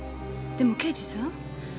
でも刑事さん